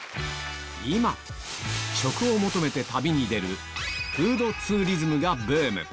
今食を求めて旅に出るフードツーリズムがブーム